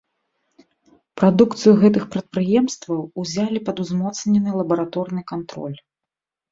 Прадукцыю гэтых прадпрыемстваў узялі пад узмоцнены лабараторны кантроль.